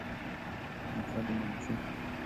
نکات منفی